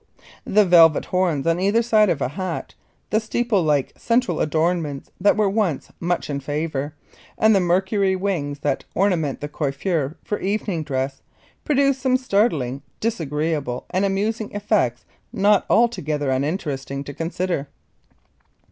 The velvet horns on either side of a hat, the steeple like central adornments that were once much in favor, and the Mercury wings that ornament the coiffure for evening dress, produce some startling, disagreeable, and amusing effects not altogether uninteresting to consider.